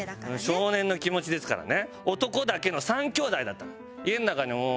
少年の気持ちですからね。